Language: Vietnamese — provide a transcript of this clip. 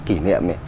kỷ niệm ấy